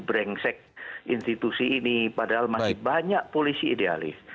brengsek institusi ini padahal masih banyak polisi idealis